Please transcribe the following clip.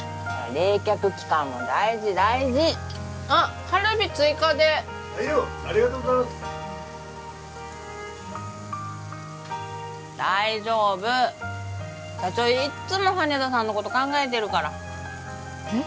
冷却期間も大事大事あっカルビ追加で・はいよありがとうございます大丈夫社長いっつも羽田さんのこと考えてるからえっ？